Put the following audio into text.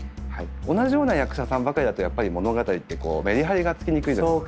同じような役者さんばかりだとやっぱり物語ってメリハリがつきにくいじゃないですか。